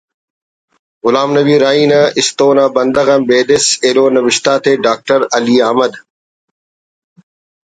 غلام نبی راہی نا ”استو نا بندغ“ آن بیدس ایلو نوشت آتے ڈاکٹر علی احمد